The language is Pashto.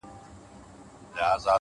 تش په نامه دغه ديدار وچاته څه وركوي;